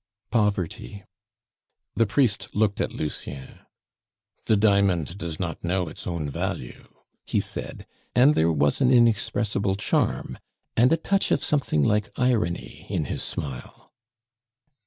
"Poverty." The priest looked at Lucien. "The diamond does not know its own value," he said, and there was an inexpressible charm, and a touch of something like irony in his smile.